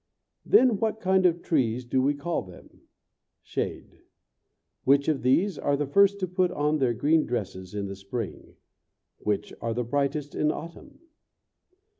Then what kind of trees do we call them? (Shade.) Which of these are the first to put on their green dresses in the spring? Which are the brightest in autumn?